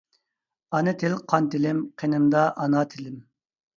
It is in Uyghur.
ئانا تىل قان تىلىم قىنىمدا ئانا تىلىم!